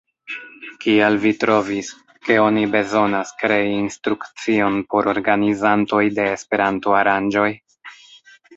Kial vi trovis, ke oni bezonas krei instrukcion por organizantoj de Esperanto-aranĝoj?